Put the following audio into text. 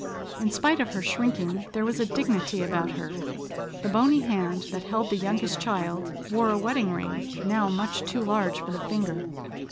In spite of her shrinking, there was a dignity about her. The bony hand that held the youngest child wore a wedding ring, now much too large for the finger.